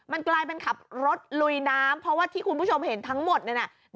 มันกลายเป็นขับรถลุยน้ำเพราะว่าที่คุณผู้ชมเห็นทั้งหมดเนี่ยนะ